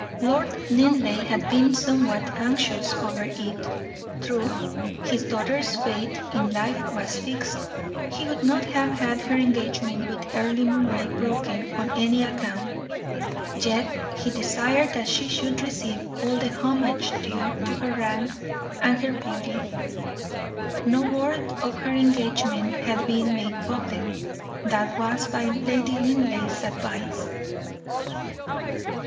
Lord Linleigh had been somewhat anxious over it. True, his daughter's fate in life was fixed he would not have had her engagement with Earle Moray broken on any account yet he desired that she should receive all the homage due to her rank and her beauty. No word of her engagement had been made public; that was by Lady Linleigh's advice.